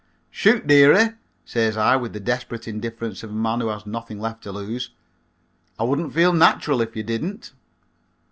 "Shoot, dearie," says I, with the desperate indifference of a man who has nothing left to lose, "I wouldn't feel natural if you didn't."